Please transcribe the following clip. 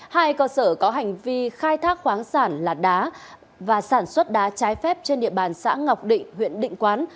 hai cơ sở có hành vi khai thác khoáng sản là đá và sản xuất đá trái phép trên địa bàn xã ngọc định huyện định quán